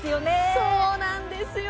そうなんです。